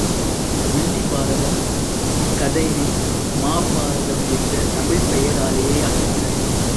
வில்லி பாரதம் இக் கதையினை மாபாரதம் என்ற தமிழ்ப் பெயராலேயே அழைக்கிறது.